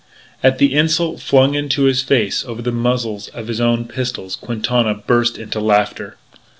At the insult flung into his face over the muzzles of his own pistols, Quintana burst into laughter.